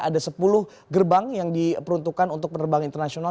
ada sepuluh gerbang yang diperuntukkan untuk penerbangan internasional